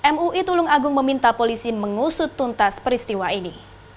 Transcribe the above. mui tulung agung meminta polisi mengusut tuntas peristiwa ini